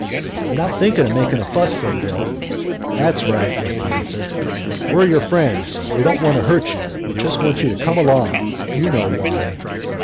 "I'm not thinking of making a fuss," said Bill. "That's right," was the answer; "we're your friends; we don't want to hurt you; we just want you to come along, you know why."